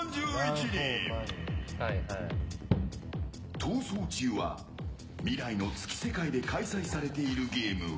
「逃走中」は未来の月世界で開催されているゲーム。